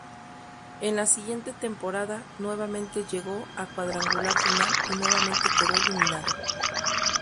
En la siguiente temporada nuevamente llegó al cuadrangular final, y nuevamente quedó eliminado.